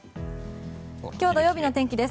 今日土曜日の天気です。